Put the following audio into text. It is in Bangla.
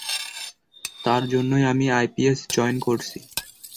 তার জন্যই আমি আইপিএস জয়েন করছি।